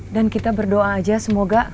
dan kita berdoa aja semoga